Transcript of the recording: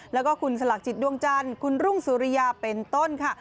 แล้วก็คุณสลักจิตดวงจันทร์คุณรุ่งสุริยาเป็นต้นค่ะ